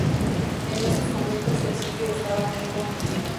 En esos momentos el sitio estaba muy concurrido.